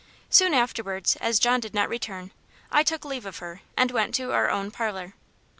Soon afterwards, as John did not return, I took leave of her, and went to our own parlour.